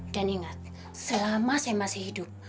dan ingat selama saya masih hidup